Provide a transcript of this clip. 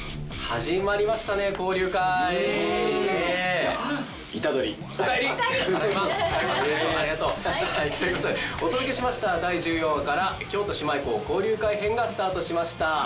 はいということでお届けしました第１４話から「京都姉妹校交流会編」がスタートしました。